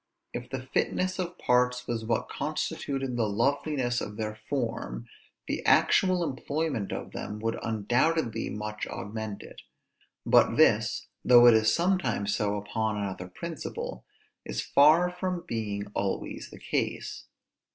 If the fitness of parts was what constituted the loveliness of their form, the actual employment of them would undoubtedly much augment it; but this, though it is sometimes so upon another principle, is far from being always the case.